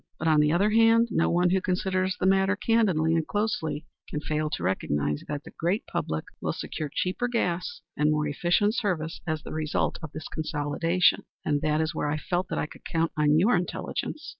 But, on the other hand, no one who considers the matter candidly and closely can fail to recognize that the great public will secure cheaper gas and more efficient service as the result of the consolidation. And there is where I felt that I could count on your intelligence.